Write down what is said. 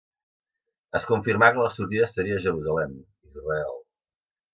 Es confirmà que la sortida seria a Jerusalem, Israel.